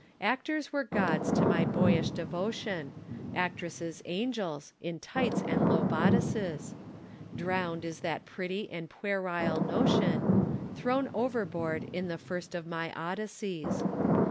Actors were Gods to my boyish devotion, Actresses angels in tights and low bodices; Drowned is that pretty and puerile notion, Thrown overboard in the first of my Odysseys.